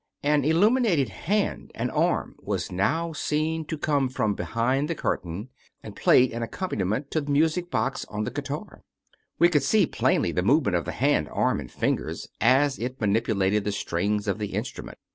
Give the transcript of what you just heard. An illuminated hand and arm was now seen to come from behind the curtain, and played an accompaniment to the music box on the guitar. We could see plainly the move ments of the hand, arm, and fingers, as it manipulated the 291 True Stories of Modern Magic strings of the instrument.